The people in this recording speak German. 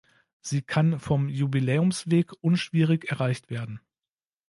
Sie kann vom Jubiläumsweg unschwierig erreicht werden.